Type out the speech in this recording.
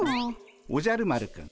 おじゃる丸くん